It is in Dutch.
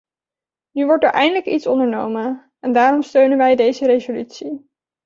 Nu wordt er eindelijk iets ondernomen, en daarom steunen wij deze resolutie.